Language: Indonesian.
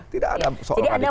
tidak ada soal radikalisme